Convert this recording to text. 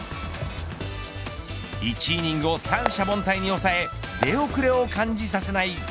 １イニングを三者凡退に抑え出遅れを感じさせない